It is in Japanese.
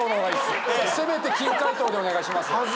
せめて珍解答でお願いします。